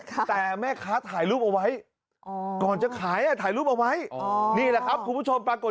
ค่ะครับคือยุคนี้อะไรนะ